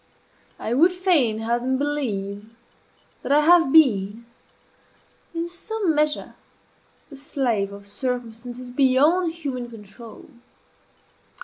I would fain have them believe that I have been, in some measure, the slave of circumstances beyond human control.